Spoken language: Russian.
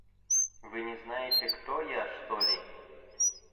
Вы не знаете, кто я, что ли?